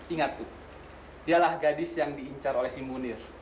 ingat dialah gadis yang diincar oleh si munir